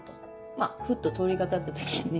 まぁふっと通りがかった時にね。